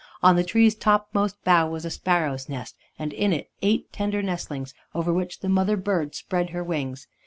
On the tree's topmost bough was a sparrow's nest, and in it eight tender nestlings, over which the mother bird spread her wings.